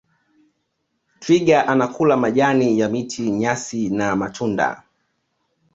twiga anakula majani ya miti nyasi na matunda